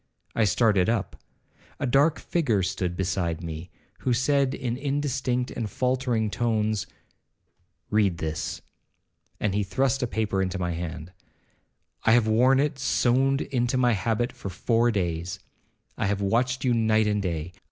I started up. A dark figure stood beside me, who said in indistinct and faultering tones, 'Read this,' and he thrust a paper into my hand; 'I have worn it sewed into my habit for four days. I have watched you night and day.